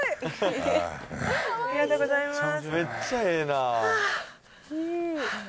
ありがとうございます。